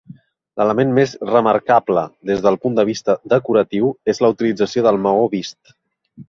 L'element més remarcable des del punt de vista decoratiu és la utilització del maó vist.